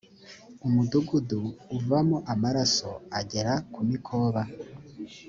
umudugudu uvamo amaraso agera ku mikoba.